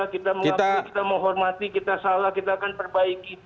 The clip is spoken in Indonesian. kita mengakui kita menghormati kita salah kita akan perbaiki